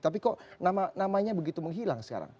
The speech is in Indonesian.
tapi kok namanya begitu menghilang sekarang